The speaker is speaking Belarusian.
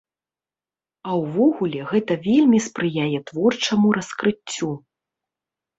А ўвогуле, гэта вельмі спрыяе творчаму раскрыццю.